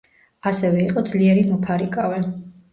ასევე იყო ძლიერი მოფარიკავე.